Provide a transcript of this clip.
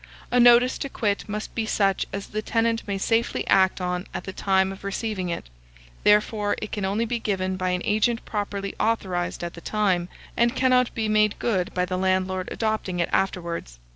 A notice to quit must be such as the tenant may safely act on at the time of receiving it; therefore it can only be given by an agent properly authorized at the time, and cannot be made good by the landlord adopting it afterwards.